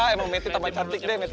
emang meti tampak cantik deh meti